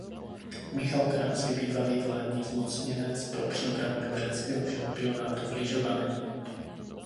Michal Kraus je bývalý vládní zmocněnec pro přípravu libereckého šampionátu v lyžování.